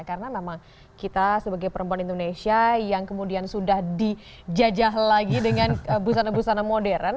karena memang kita sebagai perempuan indonesia yang kemudian sudah dijajah lagi dengan busana busana modern